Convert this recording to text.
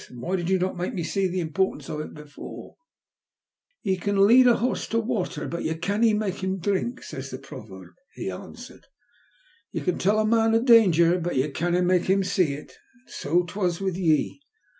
And why did you not make me see the import ance of it before ?""* Ye can lead a horse to the water but ye canna make him drink,' says the proverb," he answered. '* Ye can tell a man of danger, but ye canna make him see it. An' so 'twas with ye.